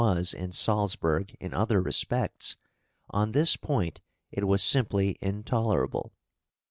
} (339) was in Salzburg in other respects, on this point it was simply intolerable.